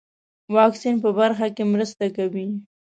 واکسین په برخه کې مرسته کوي.